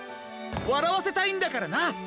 わらわせたいんだからな。